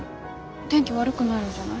天気悪くなるんじゃない？